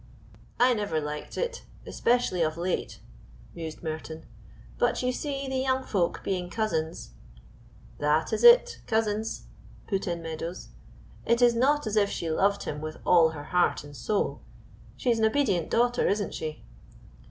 "I never liked it, especially of late," mused Merton. "But you see the young folk being cousins " "That is it, cousins," put in Meadows; "it is not as if she loved him with all her heart and soul; she is an obedient daughter, isn't she?"